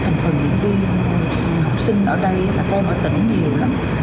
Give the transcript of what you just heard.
thường thì cái thành phần diễn viên học sinh ở đây là các em ở tỉnh nhiều lắm